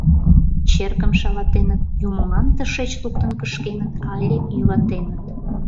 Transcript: Черкым шалатеныт, юмоҥам тушеч луктын кышкеныт але йӱлатеныт.